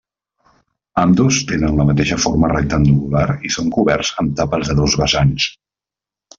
Ambdós tenen la mateixa forma rectangular i són coberts amb tapes de dos vessants.